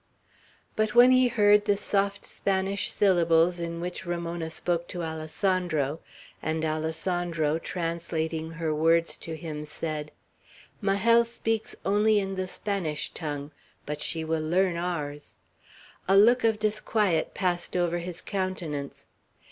But when he heard the soft Spanish syllables in which Ramona spoke to Alessandro, and Alessandro, translating her words to him, said, "Majel speaks only in the Spanish tongue, but she will learn ours," a look of disquiet passed over his countenance.